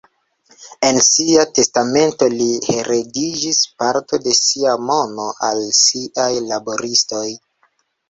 En sia testamento li heredigis parton de sia mono al siaj laboristoj.